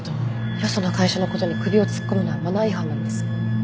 よその会社のことに首を突っ込むのはマナー違反なんです。